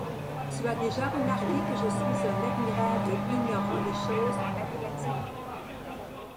Tu as déjà remarqué que je suis un admirable ignorant des choses mathématiques.